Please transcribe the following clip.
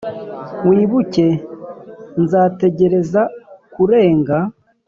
wibuke, nzategereza kurenga